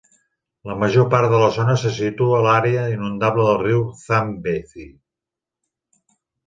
La major part de la zona se situa a l'àrea inundable del riu Zambezi.